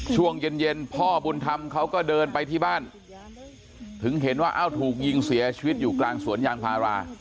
ช่วงเย็นเย็นพ่อบุญธรรมเขาก็เดินไปที่บ้านถึงเห็นว่าเอ้าถูกยิงเสียชีวิตอยู่กลางสวนยางพารา